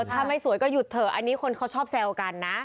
ถ้าไม่สวยก็หยุดเถอะอันนี้คนเขาชอบแซวกันนะ